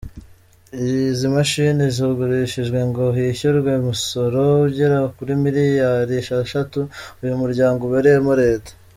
Izi mashini zagurishijwe ngo hishyurwe umusoro ugera kuri miliyari esheshatu uyu muryango ubereyemo leta.